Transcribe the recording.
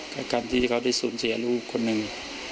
กับการที่เขาได้สูญเสียลูกคนหนึ่ง